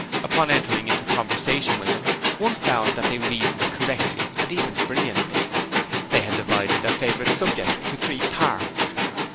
Upon entering into conversation with them one found that they reasoned correctly and even brilliantly. They had divided their favourite subject into three parts.